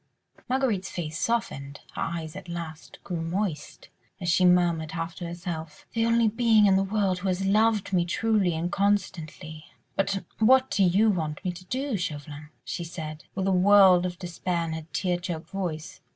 Marguerite's face softened, her eyes at last grew moist, as she murmured, half to herself: "The only being in the world who has loved me truly and constantly. ... But what do you want me to do, Chauvelin?" she said, with a world of despair in her tear choked voice.